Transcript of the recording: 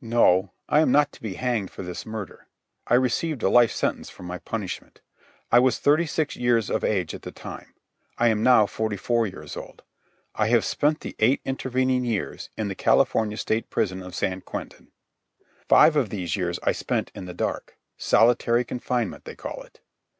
No; I am not to be hanged for his murder. I received a life sentence for my punishment. I was thirty six years of age at the time. I am now forty four years old. I have spent the eight intervening years in the California State Prison of San Quentin. Five of these years I spent in the dark. Solitary confinement, they call it.